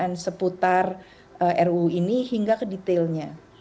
yang ada di sekitar ruu ini hingga ke detailnya